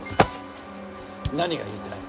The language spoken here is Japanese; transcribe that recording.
何が言いたい？